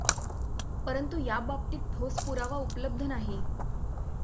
परंतु या बाबतीत ठोस पुरावा उपलब्ध नाही.